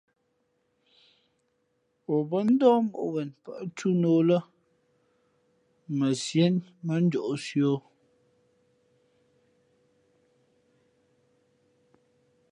O bάndáh mǒʼ wen pάʼ túná ō lά mα Sié mᾱ njōʼsī o.